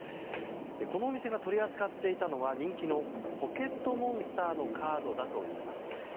このお店が取り扱っていたのは人気の「ポケットモンスター」のカードだといいます。